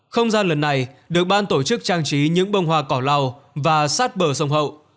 không gian lần này được ban tổ chức trang trí những bông hoa cỏ lào và sát bờ sông hậu